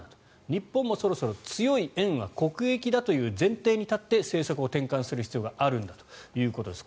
日本もそろそろ強い円は国益だという前提に立って政策を転換する必要があるんだということです。